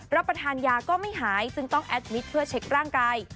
รับประทานยาก็ไม่หายจึงต้องแอดมิตรเพื่อเช็คร่างกาย